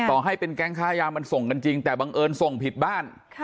ต่อให้เป็นแก๊งค้ายามันส่งกันจริงแต่บังเอิญส่งผิดบ้าน